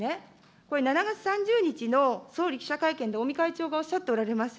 これ、７月３０日の総理記者会見で、尾身会長がおっしゃっておられます。